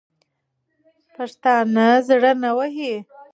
پښتانه زړه نه وهي.